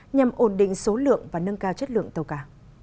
nhằm ổn định số lượng và nâng cao chất lượng tàu cá